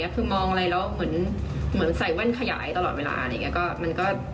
คือมองอะไรแล้วเหมือนใส่เว่นขยายตลอดเวลา